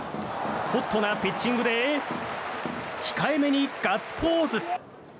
ホットなピッチングで控えめにガッツポーズ。